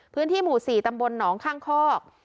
พื้นที่หมู่๔ตำบลหนองข้างคอก